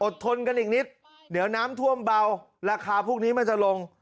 ทนกันอีกนิดเดี๋ยวน้ำท่วมเบาราคาพวกนี้มันจะลง